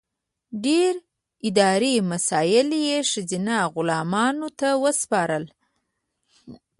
ډېر اداري مسایل یې ښځینه غلامانو ته وسپارل.